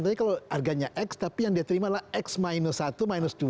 tapi kalau harganya x tapi yang dia terima adalah x minus satu minus dua